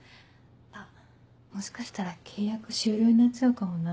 あっもしかしたら契約終了になっちゃうかもな。